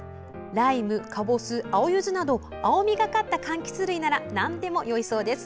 ライム、カボス、青ゆずなど青みがかった、かんきつ類ならなんでもよいそうです。